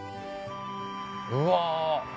うわ